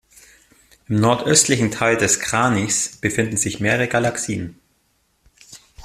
Im nordöstlichen Teil des Kranichs befinden sich mehrere Galaxien.